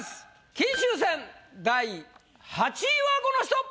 金秋戦第８位はこの人！